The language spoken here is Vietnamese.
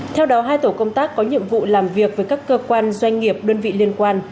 theo đó hai tổ công tác có nhiệm vụ làm việc với các cơ quan doanh nghiệp đơn vị liên quan